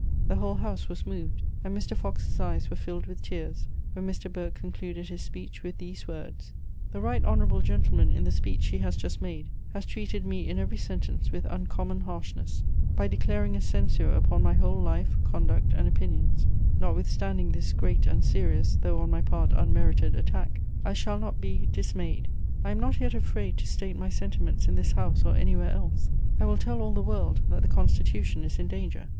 The whole House was moved, and Mr. Fox's eyes were filled with tears when Mr. Burke concluded his speech with these words: "The right honourable gentleman in the speech he has just made has treated me in every sentence with uncommon harshness ... by declaring a censure upon my whole life, conduct, and opinions. Notwithstanding this great and serious, though on my part unmerited, attack.... I shall not be dismayed; I am not yet afraid to state my sentiments in this House or anywhere else.... I will tell all the world that the Constitution is in danger....